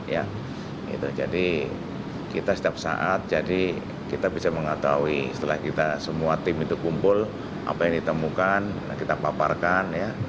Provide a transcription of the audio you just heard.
ya jadi kita setiap saat jadi kita bisa mengetahui setelah kita semua tim itu kumpul apa yang ditemukan kita paparkan ya